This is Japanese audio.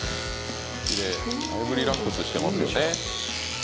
だいぶリラックスしてますよね。